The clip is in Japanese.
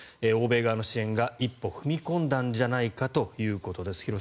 欧米側の支援が一歩踏み込んだんじゃないかということです。